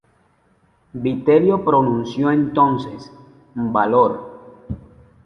Vitelio pronunció entonces: "Valor".